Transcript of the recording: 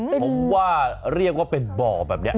ผมว่าเรียกว่าเป็นบ่อแบบนี้